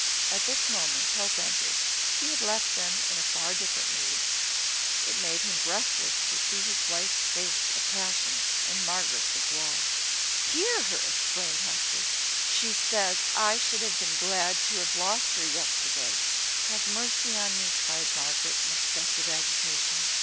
At this moment Hope entered. He had left them in a far different mood: it made him breathless to see his wife's face of passion, and Margaret's of woe. "Hear her!" exclaimed Hester. "She says I should have been glad to have lost her yesterday!" "Have mercy upon me!" cried Margaret, in excessive agitation.